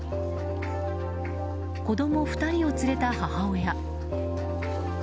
子供２人を連れた母親。